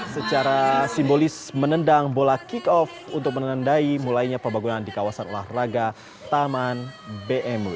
secara simbolis menendang bola kick off untuk menendai mulainya pembangunan di kawasan olahraga taman bmw